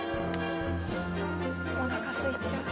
おなかすいちゃう。